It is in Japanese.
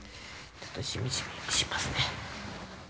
ちょっとしみじみしますね。